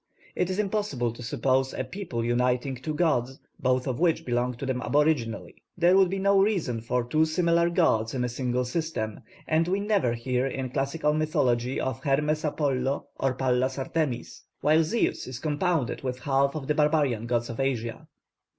It is impossible to suppose a people uniting two gods, both of which belonged to them aboriginally; there would be no reason for two similar gods in a single system, and we never hear in classical mythology of Hermes Apollo or Pallas Artemis, while Zeus is compounded with half of the barbarian gods of Asia.